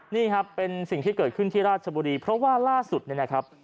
นี่ครับเป็นสิ่งที่เกิดขึ้นที่ราชบุรีเพราะว่าล่าสุดเนี่ยนะครับ